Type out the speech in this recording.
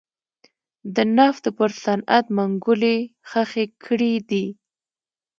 د نفتو پر صنعت منګولې خښې کړې دي.